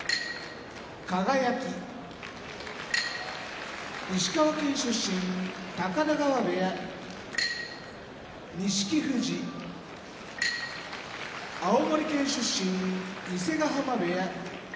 輝石川県出身高田川部屋錦富士青森県出身伊勢ヶ濱部屋